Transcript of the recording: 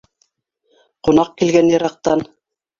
Ҡунаҡ килгән йыраҡтан.